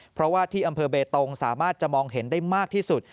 เพราะว่าที่อำเภอเบตงสามารถจะมองเห็นได้มากที่สุด